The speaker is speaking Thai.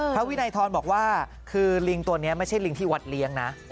วินัยทรบอกว่าคือลิงตัวนี้ไม่ใช่ลิงที่วัดเลี้ยงนะ